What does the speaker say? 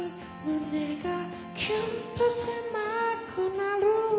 胸がキュンとせまくなる